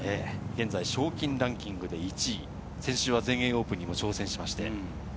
現在、賞金ランキング１位、先週は全英オープンにも挑戦しました。